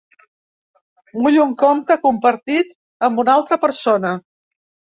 Vull un compte compartit amb una altra persona.